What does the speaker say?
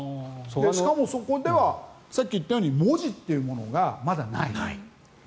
しかも、そこではさっき言ったように文字というものがまだない。